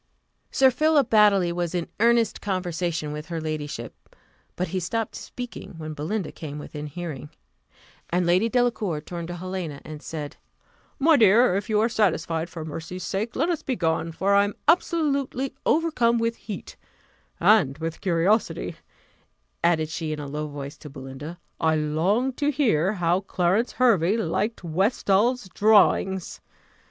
Sir Philip Baddely was in earnest conversation with her ladyship; but he stopped speaking when Belinda came within hearing, and Lady Delacour turned to Helena, and said, "My dear, if you are satisfied, for mercy's sake let us be gone, for I am absolutely overcome with heat and with curiosity," added she in a low voice to Belinda: "I long to hear how Clarence Hervey likes Westall's drawings."